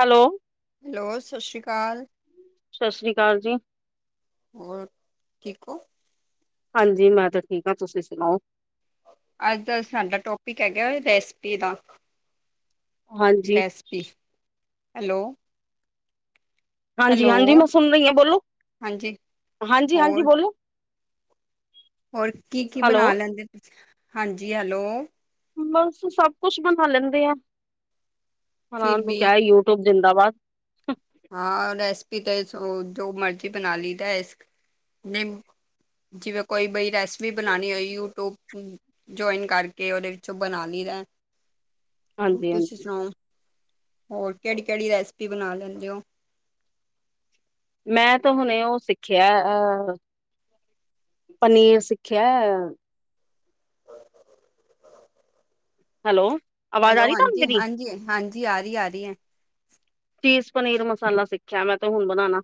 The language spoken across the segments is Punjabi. ਹੈਲੋ‌। ਹੈਲੋ ਸਤਿ ਸ਼੍ਰੀ ਅਕਾਲ। ਸਤਿ ਸ਼੍ਰੀ ਅਕਾਲ ਜੀ। ਹੋਰ ਠੀਕ ਹੋ। ਹਾਂਜੀ ਮੈਂ ਤਾਂ ਠੀਕ ਹਾਂ ਤੁਸੀਂ ਸੁਣਾਓ। ਅੱਜ ਦਾ ਸਾਡਾ ਟੋਪਿਕ ਹੈਗਾ ਰੈਸਪੀ ਦਾ ਹਾਂਜੀ, ਰੈਸਪ ਹੈਲੋ। ਹਾਂਜੀ ਹੈਲੋ ਹਾਂਜੀ ਮੈਂ ਸੁਣ ਰਹੀ ਹਾਂ ਬੋਲੋ ਹਾਂਜੀ ਹਾਂਜੀ ਹਾਂਜੀ ਹੋਰ ਬੋਲੋ। ਹੋਰ ਕੀ ਕੀ ਹੈਲੋ। ਬਣਾ ਲੈਂਦੇ ਤੁਸੀ ਹਾਂਜੀ ਹੈਲੋ। ਬਸ ਸਬ ਕੁਛ ਬਣਾ ਲੈਂਦੇ ਆ ਫਿਰ ਹ ਵੀ ਕਿਹਾ ਯੂਟਿਊਬ ਜਿੰਦਾਬਾਦ। ਹਾਂ ਰੈਸਪੀ ਤੇ ਜੋ ਮਰਜ਼ੀ ਬਣਾ ਲਈ ਤਾਂ ਇਸ। ਜਿਵੇਂ ਕੋਈ ਬਈ ਰੈਸਪੀ ਬਣਾਉਣੀ ਹੋਈ ਯੂਟਿਊਬ। ਜੁਆਇਨ ਕਰਕੇ ਉਹਦੇ ਵਿੱਚੋਂ ਬਣਾ ਲਈਦਾ। ਹਾਂਜੀ, ਤੁਸੀਂ ਹਾਂਜੀ ਸੁਣਾਓ ਹੋਰ ਕਿਹੜੀ ਕਿਹੜੀ ਰੈਸਿਪੀ ਬਣਾ ਲੈਂਦੇ ਹੋ ਮੈਂ ਤਾਂ ਹੁਣੇ ਉਹ ਸਿੱਖਿਆ ਅਹ। ਪਨੀਰ ਸਿੱਖਿਆ। ਹੈਲੋ। ਆਵਾਜ਼ ਆ ਹੈਲੋ, ਰਹੀ ਤੁਹਾਨੂੰ ਮੇਰੀ? ਹਾਂਜੀ-ਹਾਂਜੀ-ਹਾਂਜੀ ਆ ਰਹੀ ਆ ਰਹੀ ਹੈ। ਚੀਜ਼ ਪਨੀਰ ਮਸਾਲਾ ਸਿੱਖਿਆ ਮੈਂ ਤੇ ਹੁਣ ਬਣਾਉਣਾ।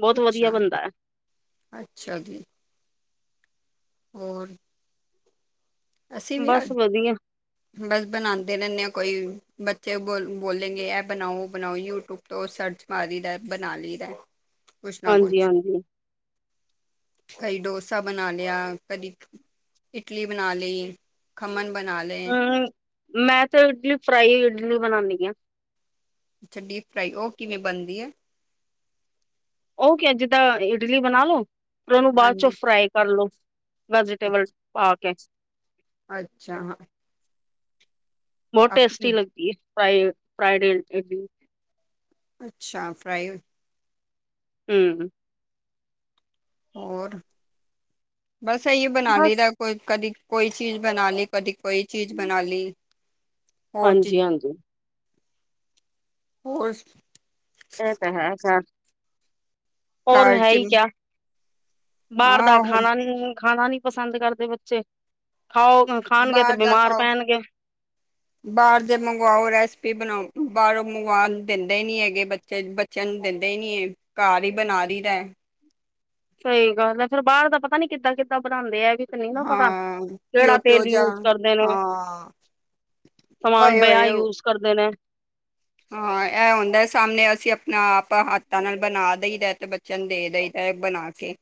ਬਹੁਤ ਵਧੀਆ ਅੱਛਾ, ਬਣਦਾ ਹੈ। ਅੱਛਾ ਜੀ। ਹੋਰ। ਅਸੀਂ ਵੀ ਬਸ ਅੱਜ ਵਧੀਆ, ਬਸ ਬਣਾਦੇ ਰਹਿੰਦੇ ਆ ਕੋਈ ਬੱਚੇ ਬੋਲ ਬੋਲੇਗੇ ਇਹ ਬਣਾਓ ਉਹ ਬਣਾਓ ਯੂਟਿਊਬ। ਤੋ ਸਰਚ ਮਾਰੀਦਾ ਬਣਾ ਲਈਦਾ ਕੁਛ ਨਾ ਹਾਂਜੀ, ਕੁਛ। ਹਾਂਜੀ। ਕਦੀ ਡੋਸਾ ਬਣਾ ਲਿਆ ਕਦੀ ਇਡਲੀ ਬ ਬਣਾ ਲੲੀ ਖਮਨ ਬਣਾ ਲੇ, ਹਮ, ਮੈਂ ਤਾਂ ਇਡਲੀ ਫਰਾਈ ਇਡਲੀ ਬਣਾਨੀ ਆ। ਅੱਛਾ, ਡੀਪ ਫਰਾਈ ਉਹ ਕਿਵੇਂ ਬਣਦੀ ਹੈ? ਉਹ ਕਿ ਅੱਜ ਤਾਂ ਇਡਲੀ ਬਣਾ ਲੋ ਫੇਰ ਉਹਨੂੰ ਬਾਅਦ ਚੋਂ ਹਾਂਜੀ ਫਰਾਈ ਕਰ ਲੋ। ਅ- ਵੈਜੀਟੇਬਲ ਪਾ ਕੇ, ਅੱਛਾ, ਹਾਂ। ਬਹੁਤ ਆਪਣੀ ਟੇਸਟੀ ਲਗਦੀ ਐ ਫਰਾਏ ਫਰਾਏ ਅੱਛਾ ਫਰਾਈ, ਹੂੰ, ਹੋਰ, ਬਸ ਇਹੀ ਬਣਾ ਲਈ ਬਸ ਦਾ, ਕੋਈ ਕਦੀ ਕੋਈ ਚੀਜ਼ ਬਣਾ ਲਈ ਕਦੀ ਕੋਈ ਚੀਜ਼ ਬਣਾ ਲਈ। ਹੋਰ ਚੀਜ਼ ਹਾਂਜੀ-ਹਾਂਜੀ। ਹੋਰ ਸ ਇਹ ਤਾਂ ਹੈ-ਹੈ। ਹੋਰ ਘਰ ਹੈ ਚ ਹੀ ਕਿਆ ਬਾਹਰ ਹਾਂ ਦਾ ਉਹ ਖਾਣਾ ਨਹੀ, ਖਾਣਾ ਨਹੀ। ਪਸੰਦ ਕਰਦੇ ਬੱਚੇ ਖਾਓ ਖਾਣਗੇ ਤੇ ਬਿਮਾਰ ਪੈਣਗੇ। ਬਾਰ ਦੇ ਮੰਗਵਾਓ ਰੈਸਪੀ ਬਣਾਓ, ਬਾਹਰੋਂ ਮੰਗਵਾਣ ਦਿੰਦੇ ਨੀ ਹੈਗੇ ਬੱਚੇ ਬੱ ਚਿਆਂ ਨੂੰ ਦਿੰਦੇ ਈ ਨੇ, ਘਰ ਈ ਬਣਾ ਲੲੀ ਦਾ। ਸ‌ਈ ਗੱਲ ਐ, ਫੇਰ ਬਾਹਰ ਦਾ ਪਤਾ ਨੀ ਕਿੱਦਾਂ-ਕਿੱਦਾਂ ਬਣਾਂਦੇ ਆ ਗੇ। ਨੀ ਨਾ ਪਤਾ ਹਾਂ ਕਿਉ ਕੇੜਾ ਕਿਉ ਤੇਲ ਜਾ ਯੂਜ ਕਰਦੇ ਨੇ। ਹਾਂ ਸਮਾਨ ਪਏ ਬਿਹਾ ਹੋਏ ਯੂਜ ਕਰਦੇ ਨੇ। ਹਾਂ ਐ ਹੁੰਦਾ ਸਾਹਮਣੇ ਅਸੀਂ ਆਪਣਾ ਆਪ ਹੱਥਾਂ ਨਾਲ ਬਣਾ ਦੇਈਦਾ ਤੇ ਬ ਚਿਆਂ ਨੂੰ ਦੇ ਦ‌ਈ ਦਾ ਬਣਾ ਕੇ।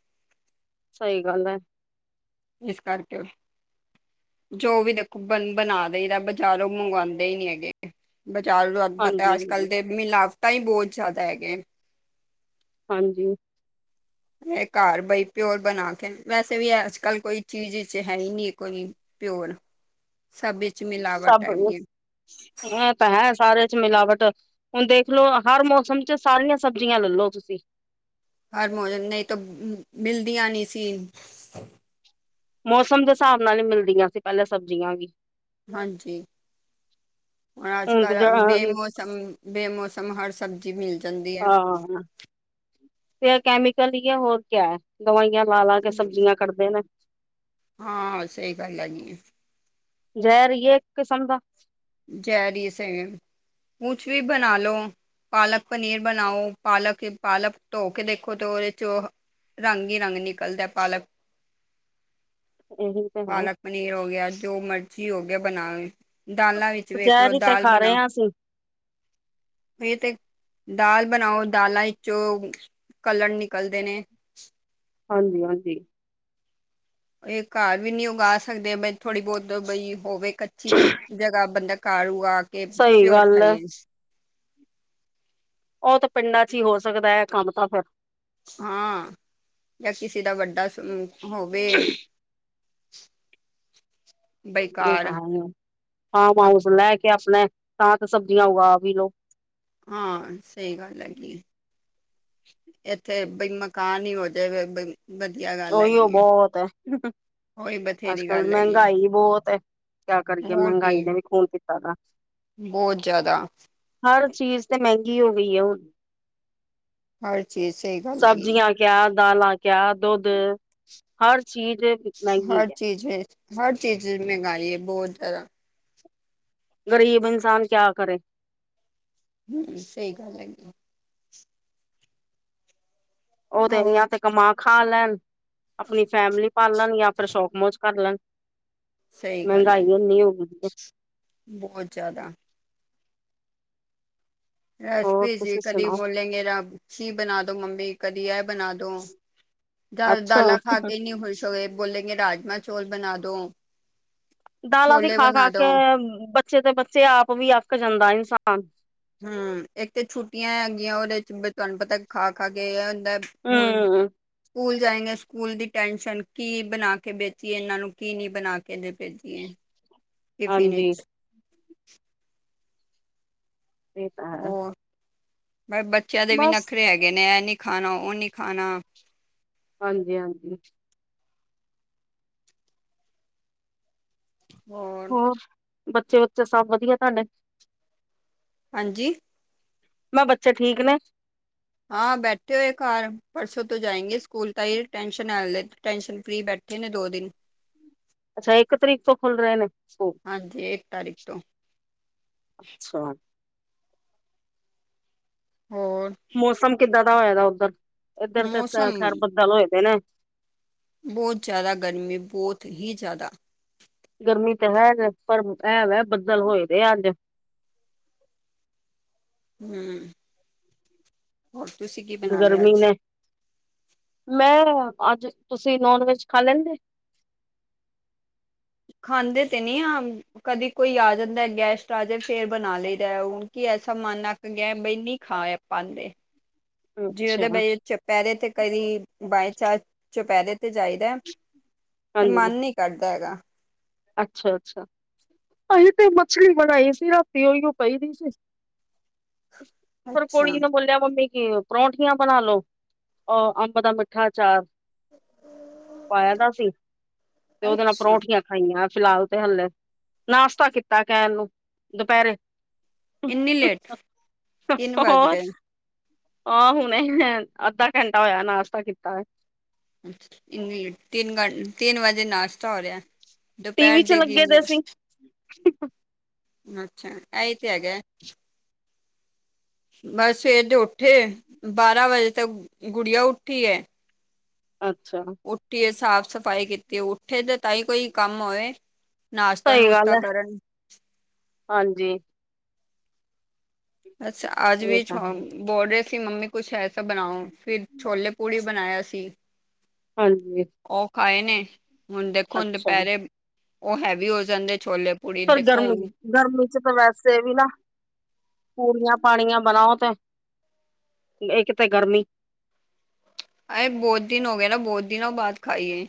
ਸ‌ਈ ਗੱਲ ਐ। ਇਸ ਕਰਕੇ ਓ ਜੋ ਵੀ ਦੇਖੋ ਬਣ ਬਣਾ ਦੇਈ ਦਾ ਬਾਜ਼ਾਰੋਂ ਮੰਗਵਾਂਦੇ ਈ ਨੀ ਹੈਗੇ। ਬਾਜ਼ਾਰੋ ਤਾਨੂੰ ਪਤਾ ਹਾਂਜੀ ਅੱਜ ਹਾਂਜੀ ਕੱਲ ਦੇ ਮਿਲਾਵਟਾਂ ਈ ਬੋਤ ਜਾਦਾ ਹੈਗੇ। ਹਾਂਜੀ। ਏ ਘਰ ਬਈ ਪਿਓਰ ਬਣਾ ਕੇ ਵੈਸੇ ਵੀ ਅੱਜ-ਕੱਲ ਕੋਈ ਚੀਜ਼ ਇਚ ਹੈ ਈ ਨੀ ਕੋਈ। ਪਿਓਰ ਸਭ ਇਚ- ਸਭ ਨੂੰ, ਹਾਂ ਇਹਤਾਂ ਹੈ ਸਾਰੇ ਚ ਮਿਲਾਵਟ ਹੁਣ ਦੇਖਲੋ ਹਰ ਮੌਸਮ ਚ ਸਾਰੀਆਂ ਸਬਜ਼ੀਆਂ ਲੈਲੋ ਤੁਸੀਂ। ਹਰ ਮੋਜਮ ਨਈ ਤੋ ਮਿਲਦੀਆਂ ਨੀ ਸੀ। ਮੌਸਮ ਦੇ ਸਾਬ ਨਾਲ ਈ ਮਿਲਦੀਆਂ ਸੀ ਪੈਲਾਂ ਸਬਜ਼ੀਆਂ ਵੀ। ਹਾਂਜੀ ਹੁਣ ਤੇ ਅੱਜ-ਕੱਲ ਬੇ ਹਾਂ ਮੋਸ ਸਮ- ਬੇਮੌਸਮ ਹਰ ਸਬਜੀ ਮਿਲ ਜ ਹਾਂ, ਤੇ ਐ ਕੈਮੀਕਲ ਈ ਐ, ਹੋਰ ਕਿਆ ਦਵਾਈਆਂ ਲਾ- ਲਾ ਕੇ ਸਬਜ਼ੀਆਂ ਕੱਢਦੇ ਨੇ ਹਾਂ, ਸਹੀ ਗੱਲ ਹੈਗੀ ਐ। ਜੈਰ ਈ ਏ ਇਕ ਕਿਸਮ ਦਾ। ਜੈਰ ਈ ਏ ਸ‌ਈ, ਕੁਛ ਵੀ ਬਣਾ ਲੋ। ਪਾਲਕ ਪਨੀਰ ਬਣਾਓ, ਪਾਲਕ- ਪਾਲਕ ਧੋ ਕੇ ਦੇਖੋ ਤੇ ਓਦੇ 'ਚ ਓ ਰੰਗ ਈ ਰੰਗ ਨਿਕਲਦਾ, ਪਾਲਕ ਏਹੀ ਤੇ ਗੱਲ। ਪਾਲਕ ਪਨੀਰ ਹੋ ਗਿਆ, ਜੋ ਮਰਜੀ ਹੋ ਗਿਆ ਬਣਾ ਦਾਲਾਂ ਵਿੱਚ ਵੇਖ ਲੋ, ਜ਼ਹਿਰ ਹੀ ਤੇ ਦਾਲ ਖਾ ਰਹੇ ਬਣਾ- ਹਾਂ ਅਸੀਂ ਏ ਤੇ ਦਾਲ ਬਣਾਓ, ਦਾਲਾਂ ਇਚੋਂ ਕਲਰ ਨਿਕਲਦੇ ਨੇ। ਹਾਂਜੀ- ਹਾਂਜੀ। ਏ ਘਰ ਵੀ ਨੀ ਉਗਾ ਸਕਦੇ, ਬਈ ਥੋੜੀ ਬੋਤ ਬਈ ਹੋਵੇ ਕਚੀ ਜਗਾਂ ਬੰਦਾ ਘਰ ਓਗਾ ਕੇ ਸਹੀ ਪਿਓਰ ਗੱਲ ਹੈ ਖਾਈਏ ਓ ਤੇ ਪਿੰਡਾਂ 'ਚ ਈ ਹੋ ਸਕਦਾ ਐ, ਕੰਮ ਤਾਂ ਫੇਰ ਹਾਂ- ਜਾਂ ਕਿਸੇ ਦਾ ਵੱਡਾ ਸੁ ਹੋਵੇ। [inaudible] ਬਈ ਏ ਤਾਂ ਘਰ ਹੈ ਈ, ਫਾਰਮ ਹਾਊਸ ਲੈ ਕੇ ਆਪਣੇ ਤਾਂ ਤੇ ਸਬਜ਼ੀਆਂ ਉਗਾ ਵੀ ਲੋ ਹਾਂ, ਸਹੀ ਗੱਲ ਹੈਗੀ ਏ। ਐਥੇ ਬਈ ਮਕਾਨ ਵੀ ਹੋ ਜਵੇ ਬ‌ਈ ਵਧੀਆਂ ਗ ਓਈਓ ਬੋਹਤ ਐ। ਉਹੀ ਅੱਜ ਬਥੇਰੀ ਕੱਲ ਗੱਲ ਹੈਗੀ ਮੈਹਗਾਈ ਬੋਤ‌ ਐ, ਕਿਆ ਕਰੀਏ ਮੈਹਗਾਈ ਨੇ ਵੀ ਖੂਨ ਪੀਤਾ ਦਾ ਬੋਹਤ ਜਾਅਦਾ ਹਰ ਚੀਜ਼ ਤੇ ਮੈਗੀ ਹੋ ਗਈ ਏ ਹੁਣ। ਹਰ ਚੀਜ਼, ਸਹੀ ਗੱਲ ਹੈਗੀ ਏਂ। ਸਬਜ਼ੀਆਂ ਕਿਆ ਦਾਲਾਂ, ਕਿਆ ਦੁੱਧ- ਹਰ ਚੀਜ਼। ਮਹਿੰਗੀ ਹਰ ਹੈ ਚੀਜ਼- ਹਰ ਚੀਜ਼ ਮੈਹਗਾਈ ਐ ਬੋਹਤ ਜਾਅਦਾ। ਗ਼ਰੀਬ ਇਨਸਾਨ ਕਿਆ ਕਰੇ। ਹੂੰ ਸਹੀ ਗੱਲ ਹੈਗੀ‌। ਉਹ ਤੇ ਹੋਰ ਯਾ ਤੇ ਕਮਾ ਖਾ ਲੈਣ ਆਪਣੀ ਫੈਮਲੀ ਪਾਲਣ, ਜਾਂ ਫਿਰ ਸ਼ੌਕਮੋਜ ਕਰ ਲੈਣ। ਸਹੀ ਗੱਲ ਮਹਿੰਗਾਈ ਹੈਗੀ ਏਨੀ ਹੋ ਗਈ ਦੀ ਐ। ਬਹੁਤ ਜ਼ਿਆਦਾ। ਹੋਰ ਐਸਪੀ ਸੀ ਤੁਸੀਂ ਕਦੀ ਸੁਣਾਓ ਬੋਲੇਗੇ ਰਾਮ ਸੀ ਬਣਾ ਦੋ ਮੰਮੀ ਕਦੀ ਐਹ ਬਣਾ ਦੋ, ਅੱਛਾ ਦਾਲਾਂ ਖਾ ਕੇ ਨੀਂ ੲੌ ਖੁਸ਼ ਤੋਂ ਏ ਬੋਲੇਗੇ ਰਾਜਮਾਂ ਚੌਲ ਬਣਾ ਦੋ। ਦਾਲਾਂ ਵੀ ਛੋਲੇ ਖਾ- ਖਾ ਬਣਾ ਦੋ ਕੇ ਬੱਚੇ ਤੇ ਬੱਚੇ ਆਪ ਵੀ ਅੱਕ ਜਾਂਦਾ ਇਨਸਾਨ। ਹੂੰ ਇੱਕ ਤੇ ਛੁੱਟੀਆਂ ਹੈਗੀਆਂ ਉਹਦੇ ਚ ਤੁਹਾਨੂੰ ਪਤਾ ਖਾ -ਖਾ ਕੇ ਤੇ ਹੁਣ ਹਮ ਸਕੂਲ਼ ਜਾਏਂਗੇ। ਸਕੂਲ ਦੀ ਟੈਨਸ਼ਨ ਕੀ ਬਣਾ ਕੇ ਬੇਚੀਏ ਇਹਨਾਂ ਨੂੰ ਕੀ ਨੀਂ ਬਣਾ ਕੇ ਬੇਚ ਕਿ ਟਿਫਿਨ ਹਾਂਜੀ ਵਿਚ ਇਹ ਤਾਂ ਹੈਂ ਫੇਰ ਬੱਚਿਆਂ ਦੇ ਵੀ ਨੱਖਰੇ ਹੈਗੇ ਨੇ ਐਹ ਨੀ ਖਾਣਾ ਉਹ ਨੀ ਖਾਣਾ। ਹਾਂਜੀ- ਹਾਂਜੀ। ਹੋਰ ਬੱਚੇ ਉੱਥੇ ਸਭ ਵਧੀਆ ਤੁਹਾਡੇ। ਹਾਂਜੀ। ਮੈਂ ਬੱਚੇ ਠੀਕ ਨੇ। ਹਾਂ ਬੈਠੇ ਹੋਏ ਘਰ ਪਰਸੋਂ ਤੋਂ ਜਾਏਂਗੇ ਸਕੂਲ ਤਾਂਹੀ ਟੈਂਸ਼ਨ ਆ ਹਲੇ ਟੈਂਨਸ਼ਨ ਫ੍ਰਰੀ ਬੈਠੇ ਨੇ ਦੋ ਦਿਨ ਅੱਛਾ ਇੱਕ ਤਰੀਕ ਤੋਂ ਖੁੱਲ ਰਹੇ ਨੇ ਸਕੂਲ, ਹਾਂਜੀ ਇੱਕ ਤਾਰੀਖ ਤੋਂ ਅੱਛਾ। ਹੋਰ ਮੌਸਮ ਕਿੱਦਾਂ ਦਾ ਹੋਏ ਦਾ ਉੱਧਰ ਇੱਧਰ ਤੇ ਮੌਸਮ ਖੈਰ ਬੱਦਲ ਹੋਏ ਦੇ ਨੇ। ਬਹੁਤ ਜਾਦਾ ਗਰਮੀ ਬਹੁਤ ਹੀ ਜ਼ਿਆਦਾ। ਗਰਮੀ ਤਾਂ ਹੈਗਾ ਪਰ ਐਹ ਵ ਬੱਦਲ ਹੋਏ ਦੇ ਅੱਜ। ਹਮ। ਹੋਰ ਤੁਸੀਂ ਕੀ ਬਣਾ ਲਿਆ ਗਰਮੀ ਅੱਜ ਨੇ, ਮੈਂ ਅੱਜ ਤੁਸੀਂ ਨੋਨ ਵੈਜ ਖਾ ਲੈਂਦੇ। ਖਾਂਦੇ ਤੇ ਨੀ ਆਂ ਕਦੀ ਕੋਈ ਆ ਜਾਂਦਾ ਗੈਸਟ ਆ ਜਾਵੇ ਫਿਰ ਬਣਾ ਲਈਦਾ ਹੁਣ ਕੀ ਐਸਾ ਮਨ ਅਕ ਗਿਆ ਬੈਨੀ ਖਾਆ ਪਾਂਦੇ ਜੀ ਅੱਛਾ ਉਹਦੇ ਬ ਚ ਚੁਪਹਿਰੇ ਤੇ ਕਦੀ, ਬਾਏਚਾਰ ਚੁਪਹਿਰੇ ਤੇ ਜਾਈਦਾ ਤੇ ਹਾਂਜੀ ਮਨ ਨੀ ਕਰਦਾ ਹੈਗਾ। ਅੱਛਾ- ਅੱਛਾ ਅਸੀਂ ਤੇ ਮਛਲੀ ਬਣਾਈ ਸੀ ਰਾਤੀ ਓਹੀਓ ਪਈ ਦੀ ਸੀ। [inaudible] ਫੇਰ ਅੱਛਾ ਕੁੜੀ ਨੂੰ ਬੋਲਿਆ ਮੰਮੀ ਕਿ ਪਰੌਂਠੀਆਂ ਬਣਾ ਲਓ ਅ ਅੰਬ ਦਾ ਮਿੱਠਾ ਚਾਰ ਪਾਇਆ ਦਾ ਸੀ, ਤੇ ਉਹਦੇ ਨਾਲ ਅੱਛਾ ਪਰੌਠੀਆਂ ਖਾਈਆਂ ਫਿਲਹਾਲ ਤੇ ਹਲੇੇ, ਨਾਸ਼ਤਾ ਕੀਤਾ ਕਹਿਣ ਨੂੰ ਦੁਪਹਿਰੇ ਇੰਨੀ ਲੇਟ ਤਿੰਨ ਵੱਜ ਹੋਰ ਰਹੇ ਨੇ। ਆਹ ਹੁਣੇ ਅੱਧਾ ਘੰਟਾ ਹੋਇਆ ਨਾਸ਼ਤਾ ਕੀਤਾ ਏ ਅੱਛਾ ਇੰਨੀ ਲੇਟ ਤਿੰਨ ਤਿੰਨ ਵਜੇ ਨਾਸ਼ਤਾ ਹੋ ਰਿਹਾ। ਟੀ ਦੁਪਹਿਰ ਵੀ ਚ ਦੇ ਲੱਗੇ ਤਿੰਨ [inaudible] ਅੱਛਾ ਐਹੀ ਤੇ ਹੈਗਾ। ਬਸ ਸਵੇਰ ਦੇ ਉੱਠੇ, ਬਾਰਾਂ ਵਜੇ ਤੇ ਗੁੜੀਆ ਉੱਠੀ ਹੈ। ਅੱਛਾ। ਉੱਠੀ ਏ ਸਾਫ਼ ਸਫ਼ਾਈ ਕੀਤੀ, ਉੱਠੇ ਤੇ ਤਾਂ ਹੀ ਕੋਈ ਕੰਮ ਹੋਵੇ। ਨਾਸ਼ਤਾ ਸਈ ਗੱਲ ਨੁਸ਼ਤਾ ਹੈ ਕਰਨ ਹਾਂਜੀ। ਅੱਛਾ ਅੱਜ ਇਹ ਵੀ ਤਾਂ ਛੋਂ ਬੋਲ ਰਹੇ ਸੀ ਮੰਮੀ ਕੁਛ ਐਸਾ ਬਣਾਓ ਫੇਰ ਛੋਲੇ ਪੂੜੀ ਬਣਾਇਆ ਸੀ। ਹਾਂਜੀ ਓ ਖਾਏ ਨੇ ਹੁਣ ਦੇਖੋ ਅੱਛਾ ਦੁਪਹਿਰੇ ਉਹ ਹੈਵੀ ਹੋ ਜਾਂਦੇ ਛੋਲੇ ਪੂੜੀ ਸਰ ਗਰਮ ਦੇਖੋ ਹੁਣ ਗਰਮੀ 'ਚ ਤਾਂ ਵੈਸੇ ਵੀ ਨਾ, ਪੂੜੀਆਂ ਪਾਣੀਆਂ ਬਣਾਓ ਤੇ ਇੱਕ ਤੇ ਗਰਮੀ ਅ ਬਹੁਤ ਦਿਨ ਹੋ ਗਏ ਨਾ ਬਹੁਤ ਦਿਨ ਬਾਅਦ ਖਾਈਏ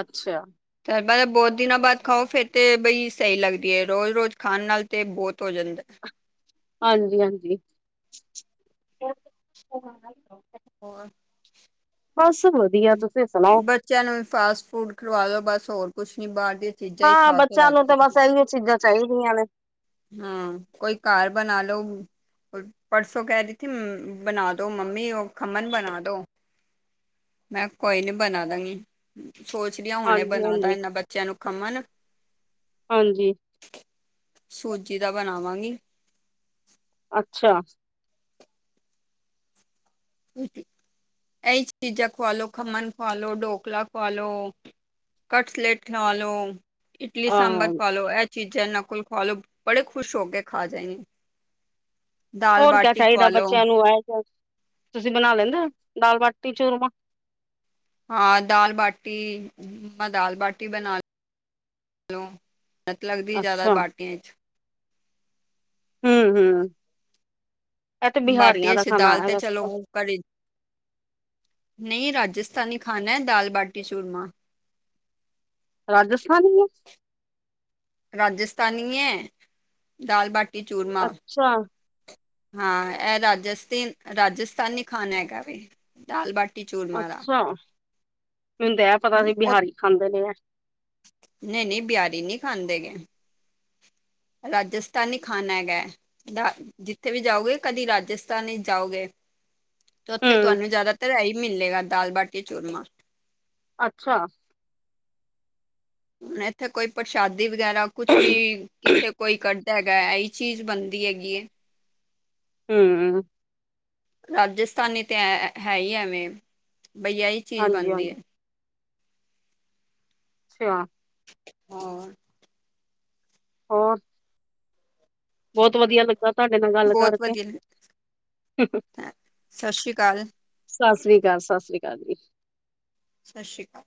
ਅੱਛਾ ਤੇ ਬਹੁਤ ਦਿਨਾਂ ਬਾਅਦ ਖਾਓ ਫੇਰ ਤੇ ਬਈ ਸਹੀ ਲੱਗਦੀ ਹੈ। ਰੋਜ਼ ਰੋਜ਼ ਖਾਣ ਨਾਲ ਤੇ ਬਹੁਤ ਹੋ ਜਾਂਦਾ ਹਾਂਜੀ-ਹਾਂਜੀ। ਹੋਰ ਬਸ ਵਧੀਆ ਤੁਸੀਂ ਸੁਣਾਓ। ਚਿਆਂ ਨੂੰ ਫਾਸਟ ਫੂਡ ਖਲਵਾਲੋ ਬਸ ਹੋਰ ਕੁਛ ਨੀ ਬਾਰ ਦੇ ਹਾਂ ਬੱਚਿਆਂ ਨੂੰ ਤਾਂ ਬਸ ਇਹੀਓ ਚੀਜ਼ਾਂ ਚਾਈਦੀਆਂ ਨੇ। ਹਾਂ ਕੋਈ ਘਰ ਬਣਾ ਲੋ। ਪਰਸੋਂ ਕੈ ਰਈ ਥੀ ਮ ਬਣਾ ਦੋ ਮੰਮੀ ਓ ਖਮਨ ਬਣਾ ਦੋ। ਮੈਂ ਕੋਈ ਨੀ ਬਣਾ ਦਾਂਗੀ। ਸੋਚਦੀ ਆਂ ਹੁਣੇ ਹਾਂਜੀ ਬਣਾ ਦਾ ਹਾਂਜੀ ਇਹਨਾਂ ਬੱਚਿਆਂ ਨੂੰ ਖਮਣ ਹਾਂਜੀ ਸੂਜੀ ਦਾ ਬਣਾਵਾਂਗੀ। ਅੱਛਾ ਇਹੀ ਚੀਜ਼ਾਂ ਖਵਾ ਲੋ ਖਮਣ ਖਵਾ ਲੋ ਢੋਕਲਾ ਖਵਾ ਲੋ। ਕਟਸਲੇਟ ਖਾ ਲੋ ਇਡਲੀ ਸਾਂਬਰ ਆਹ ਪਾ ਲੋ ਐ ਚੀ ਚੀਜ਼ਾਂ ਨਕੁਲ ਖਾ ਲੋ ਬੜੇ ਖੁਸ਼ ਹੋ ਕੇ ਖਾ ਜੇਗੇ। ਹੋਰ ਕਿਆ ਚਾਈਦਾ ਖਵਾ ਲੋ ਬੱਚਿਆਂ ਨੂੰ ਆ ਤੁਸੀਂ ਬਣਾ ਲੈਂਦੇ ਦਾਲ ਬਾਟੀ ਚੂਰਮਾ ਹਾਂ ਦਾਲ ਬਾਟੀ- ਦਾਲ ਬਾਟੀ ਬਣਾ ਲਓ। ਨੱਤ ਲੱਗਦੀ ਜਾਦਾ ਅੱਛਾ ਬਾਟੀ 'ਚ ਹੂੰ-ਹੂੰ ਐ ਤੇ ਬਿਹਾਰੀਆਂ ਦਾ ਖਾਣਾ ਹੈਗਾ ਸੀਗਾ। ਕੜੀ ਨਈ ਰਾਜਸਥਾਨੀ ਖਾਣਾ ਹੈ ਦਾਲ ਬਾਟੀ ਚੂਰਮਾ ਰਾਜਸਥਾਨੀ ਏ। ਰਾਜਸਥਾਨੀ ਐਂ ਦਾਲ ਬਾਟੀ ਚੂਰਮਾ ਅੱਛਾ ਹਾਂ ਇਹ ਰਾਜਸਥ ਰਾਜਸਥਾਨੀ ਖਾਣਾ ਹੈਗਾ ਵੇ ਦਾਲ ਬਾਟੀ ਚੂਰਮਾ ਦਾ ਅੱਛਾ ਮੈਨੂੰ ਤਾਂ ਐ ਪਤਾ ਹੀ ਬਿਹਾਰੀ ਖਾਂਦੇ ਨੇ ਐ। ਨਈ-ਨਈ ਬਿਆਰੀ ਨਈ ਖਾਂਦੇ ਹੈਗੇ। ਰਾਜਸਥਾਨੀ ਖਾਨਾ ਹੈਗਾ। ਜ ਜਿੱਥੇ ਵੀ ਜਾਓਗੇ ਕਦੀ ਰਾਜਸਥਾਨ 'ਚ ਜਾਓਗੇ। ਤੇ ਉੱਥੇ ਹੂੰ ਤੁਹਾਨੂੰ ਜਾਦਾਤਰ ਐ ਹੀ ਮਿਲੇਗਾ ਦਾਲ ਬਾਟੀ ਚੂਰਮਾ ਅੱਛਾ ਹੁਣ ਇੱਥੇ ਕੋਈ ਪ੍ਰਸ਼ਾਦੀ ਵਗੈਰਾ ਕੁਛ ਵੀ ਕਿੱਥੇ ਕੋਈ ਕ ਹੈਗਾ ਇਹੀ ਚੀਜ਼ ਬਣਦੀ ਹੈਗੀ। ਹੂੰ ਰਾਜਸਥਾਨੀ ਤੇ ਐ ਹੈ ਹੀ ਐਵੇਂ ਬਈ ਆ ਹੀ ਚੀਜ਼ ਹਾਂਜੀ ਬਣਦੀ ਹਾਂਜੀ ਏ। ਅੱਛਾ ਹੋਰ ਹੋਰ ਬੋਤ ਵਧੀਆ ਲੱਗਾ। ਤੁਹਾਡੇ ਨਾਲ ਗੱਲ ਬਹੁਤ ਕਰਕੇ ਵਧੀਆ ਲੱਗਦਾ ਹੈ। ਸਤਿ ਸ਼੍ਰੀ ਅਕਾਲ ਸਤਿ ਸ਼੍ਰੀ ਅਕਾਲ ਸਤਿ ਸ੍ਰੀ ਅਕਾਲ ਜੀ। ਸਤਿ ਸ਼੍ਰੀ ਅਕਾਲ।